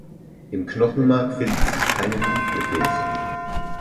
Im Knochenmark finden sich keine Lymphgefäße.